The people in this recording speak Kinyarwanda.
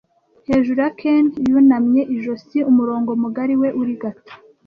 hejuru ya Ken yunamye ijosi. Umurongo mugari we urigata